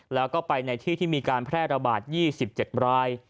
แล้วก็ไปในที่ที่มีการแพร่ระบาด๒๗ราย